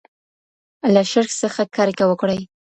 له شرک څخه کرکه وکړئ.